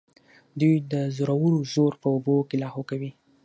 دوی د زورورو زور په اوبو کې لاهو کوي.